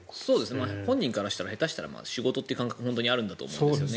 本人からしたら下手したら仕事という感覚があるんだと思います。